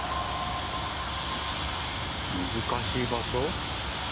難しい場所？